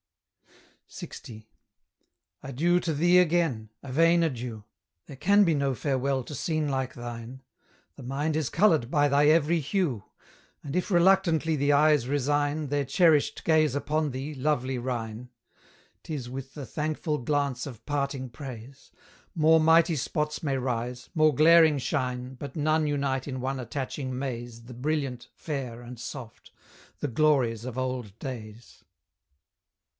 LX. Adieu to thee again! a vain adieu! There can be no farewell to scene like thine; The mind is coloured by thy every hue; And if reluctantly the eyes resign Their cherished gaze upon thee, lovely Rhine! 'Tis with the thankful glance of parting praise; More mighty spots may rise more glaring shine, But none unite in one attaching maze The brilliant, fair, and soft; the glories of old days.